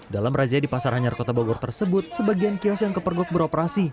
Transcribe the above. dalam razia di pasar anyar kota bogor tersebut sebagian kios yang kepergok beroperasi